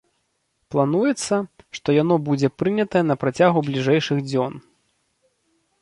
Плануецца, што яно будзе прынятае на працягу бліжэйшых дзён.